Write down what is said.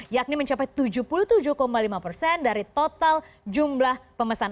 yakni mencapai tujuh puluh tujuh lima persen dari total jumlah pemesan